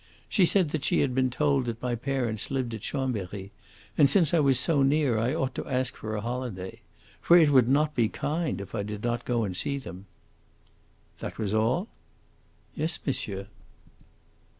She said that she had been told that my parents lived at Chambery, and since I was so near I ought to ask for a holiday. For it would not be kind if I did not go and see them." "That was all?" "Yes, monsieur."